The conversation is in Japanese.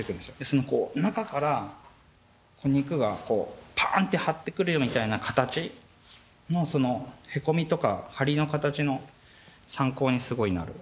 その中から肉がパーンって張ってくるみたいな形のそのへこみとかハリの形の参考にすごくなる。